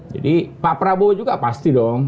jadi pak prabowo juga pasti dong